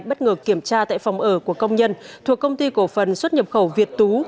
bắt ngược kiểm tra tại phòng ở của công nhân thuộc công ty cổ phần xuất nhập khẩu việt tú